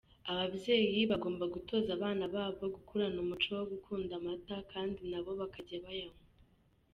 Ababyeyi bagomba gutoza abana babo gukurana umuco wo gukunda amata, kandi nabo bakajya bayanywa.